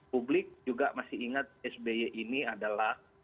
publik juga masih ingat sby ini adalah